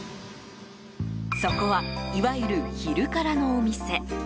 そこは、いわゆる昼カラのお店。